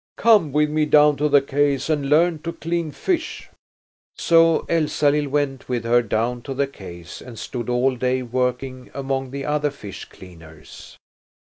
Come with me down to the quays and learn to clean fish." So Elsalill went with her down to the quays and stood all day working among the other fish cleaners.